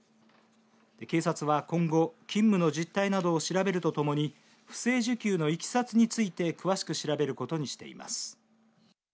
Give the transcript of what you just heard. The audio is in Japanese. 警察は今後勤務の実態などを調べるとともに不正受給のいきさつについて詳しく調べることにしています。